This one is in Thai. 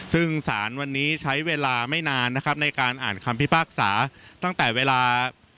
ซึ่งสารวันนี้ใช้เวลาไม่นานในการอ่านคำพิพากษา